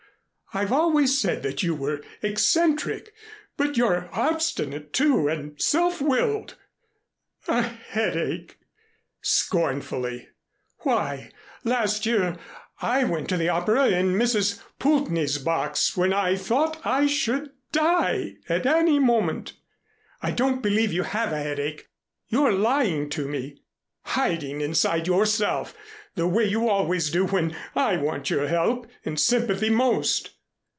I've always said that you were eccentric, but you're obstinate, too, and self willed. A headache!" scornfully. "Why, last year I went to the opera in Mrs. Poultney's box when I thought I should die at any moment! I don't believe you have a headache. You're lying to me hiding inside yourself the way you always do when I want your help and sympathy most.